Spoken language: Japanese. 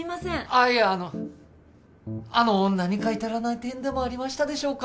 あいやあのあの何か至らない点でもありましたでしょうか？